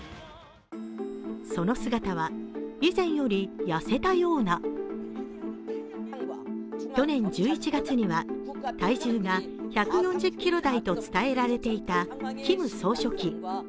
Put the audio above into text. その姿は、以前より痩せたような去年１１月には体重が１４０ｋｇ台と伝えられていたキム総書記。